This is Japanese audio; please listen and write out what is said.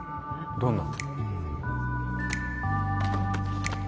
どんな？